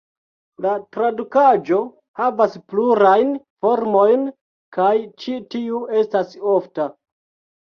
La tradukaĵo havas plurajn formojn kaj ĉi tiu estas ofta.